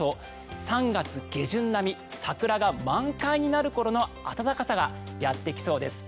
３月下旬並み桜が満開になる頃の暖かさがやってきそうです。